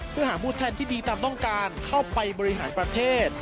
เพื่อหาผู้แทนที่ดีตามต้องการเข้าไปบริหารประเทศ